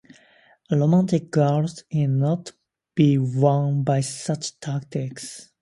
A romantic girl is not to be won by such tactics.